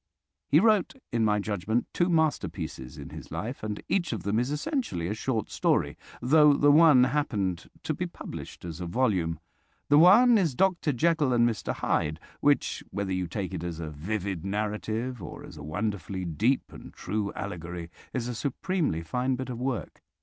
He wrote, in my judgment, two masterpieces in his life, and each of them is essentially a short story, though the one happened to be published as a volume. The one is "Dr. Jekyll and Mr. Hyde," which, whether you take it as a vivid narrative or as a wonderfully deep and true allegory, is a supremely fine bit of work.